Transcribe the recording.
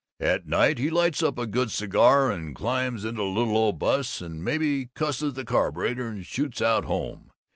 At night he lights up a good cigar, and climbs into the little old 'bus, and maybe cusses the carburetor, and shoots out home.